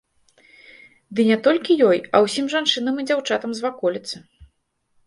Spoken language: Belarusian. Ды не толькі ёй, а ўсім жанчынам і дзяўчатам з ваколіцы.